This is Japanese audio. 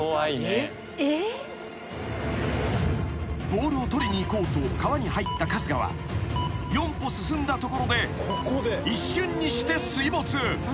［ボールを取りに行こうと川に入った春日は４歩進んだところで一瞬にして水没］